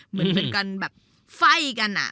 เหมือนเป็นการแบบไฟ่กัน